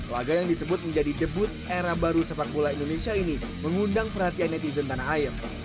laga yang disebut menjadi debut era baru sepak bola indonesia ini mengundang perhatian netizen tanah air